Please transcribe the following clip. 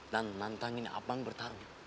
dan nantangin abang bertarung